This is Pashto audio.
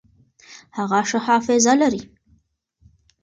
هغه ښه حافظه لري.